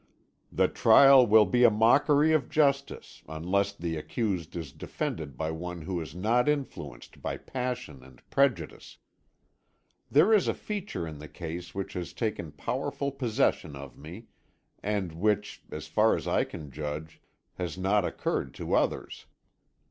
The trial will be a mockery of justice unless the accused is defended by one who is not influenced by passion and prejudice. There is a feature in the case which has taken powerful possession of me, and which, as far as I can judge, has not occurred to others.